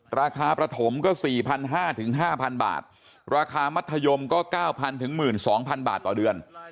ราคาประถมก็๔๕๐๐๕๐๐บาทราคามัธยมก็๙๐๐๑๒๐๐บาทต่อเดือน